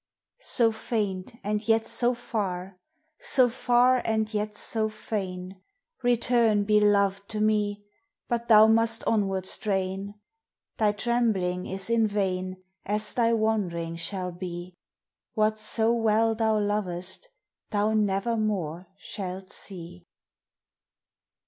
So faint and yet so far so far and yet so fain "Return belov'd to me" but thou must onward strain: Thy trembling is in vain as thy wand'ring shall be. What so well thou lovest thou nevermore shalt see.